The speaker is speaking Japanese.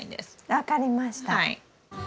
分かりました。